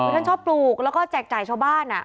คือท่านชอบปลูกแล้วก็แจกจ่ายชาวบ้าน